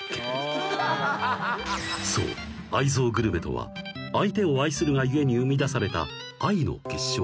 ［そう愛憎グルメとは相手を愛するが故に生み出された愛の結晶］